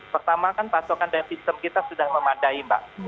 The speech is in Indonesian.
pertama kan pasukan dan sistem kita sudah memandai mbak